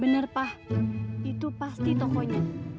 benar pak itu pasti tokonya